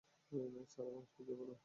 Sir, আমাকে সাহায্য করুন।